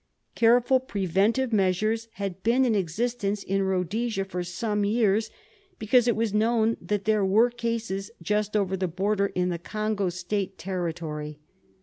Careful preventive measures had been in existence in Ehodesia for some years, because it was known that there were cases just over the border in the Congo State territory.